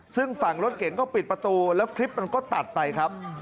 ซึ่งฝั่งรถเก๋งก็ปิดประตูแล้วคลิปมันก็ตัดไปครับ